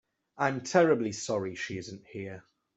I'm terribly sorry she isn't here.